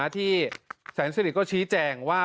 ที่แสนสนิทก็ชี้แจงว่า